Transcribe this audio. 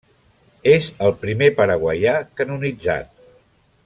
És el primer paraguaià canonitzat.